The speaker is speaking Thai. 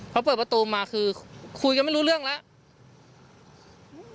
เขาเปิดประตูมาคือคุยกันไม่รู้เรื่องแล้ว